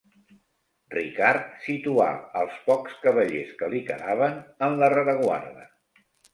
Ricard situà els pocs cavallers que li quedaven en la rereguarda.